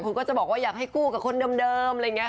คนก็จะบอกว่าต้องไปแล้วกับคนเดิม